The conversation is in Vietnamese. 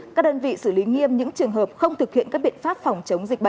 các đơn vị xử lý nghiêm những trường hợp không thực hiện các biện pháp phòng